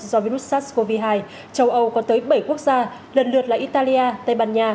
do virus sars cov hai châu âu có tới bảy quốc gia lần lượt là italia tây ban nha